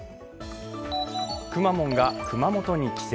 くまモンが熊本に帰省。